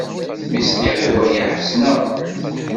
Mi sliɣ i waya, ḥezneɣ.